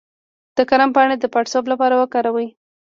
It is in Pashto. د کرم پاڼې د پړسوب لپاره وکاروئ